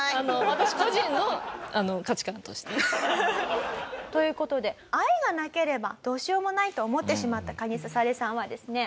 私個人の価値観として。という事で愛がなければどうしようもないと思ってしまったカニササレさんはですね